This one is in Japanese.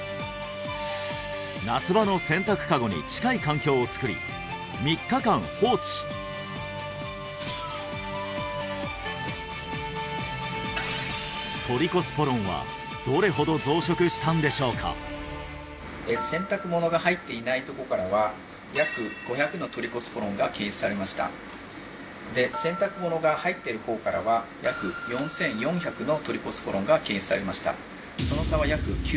夏場の洗濯カゴに近い環境をつくりトリコスポロンは洗濯物が入っていないとこからは約５００のトリコスポロンが検出されましたで洗濯物が入っている方からは約４４００のトリコスポロンが検出されました